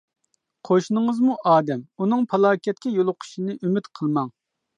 قوشنىڭىزمۇ ئادەم، ئۇنىڭ پالاكەتكە يولۇقۇشىنى ئۈمىد قىلماڭ.